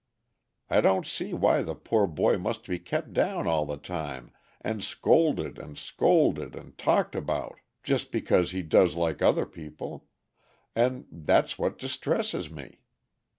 I don't see why the poor boy must be kept down all the time and scolded and scolded and talked about, just because he does like other people; and that's what distresses me.